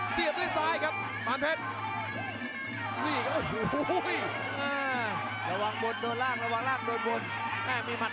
เล่นงานด้วยบัดขวามากซอขวาส่วน